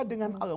lupa dengan allah